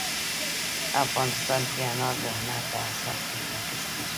افغانستان کې انار د هنر په اثار کې منعکس کېږي.